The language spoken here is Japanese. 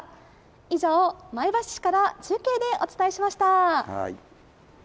以上、前橋市から中継でお伝えしました。